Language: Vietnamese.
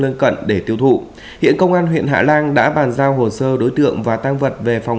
lân cận để tiêu thụ hiện công an huyện hạ lan đã bàn giao hồ sơ đối tượng và tăng vật về phòng